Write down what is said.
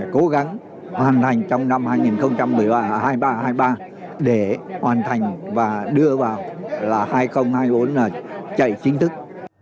cố gắng hoàn thành trong năm hai nghìn một mươi ba để hoàn thành và đưa vào là hai nghìn hai mươi bốn chạy chính thức